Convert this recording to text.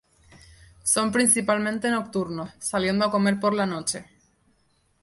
Son principalmente nocturnos, saliendo a comer por la noche.